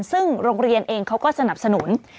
ซึ่งโรงเรียนเองเขาก็สนับสนุน